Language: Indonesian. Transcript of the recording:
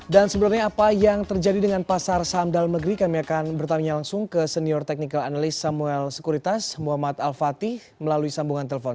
dan sebelumnya apa yang terjadi dengan pasar saham dalam negeri kami akan bertanya langsung ke senior technical analyst samuel sekuritas muhammad al fatih melalui sambungan telepon